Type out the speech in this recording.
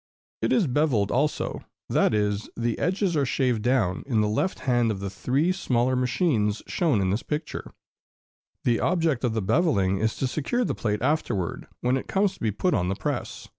It is beveled also; that is, the edges are shaved down in the left hand of the three smaller machines shown in this picture: the object of the beveling is to secure the plate afterward, when it comes to be put on the press.